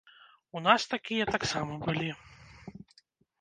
У нас такія таксама былі.